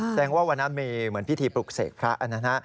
แสนว่านั้นมีเหมือนพิธีปลุกเสกพระโน้นนะ